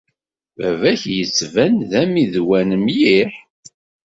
Baba-k yettban-d d ammidwan mliḥ.